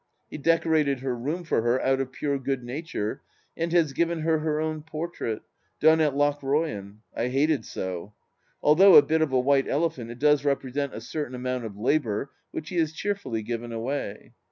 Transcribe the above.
He decorated her room for her out of pure good nature, and has given her her own portrait, done at Lochroyan, I hated so. Although a bit of a white elephant, it does represent a certain amount of labour which he has cheerfully given away.